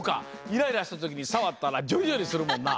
イライラしたときにさわったらジョリジョリするもんな。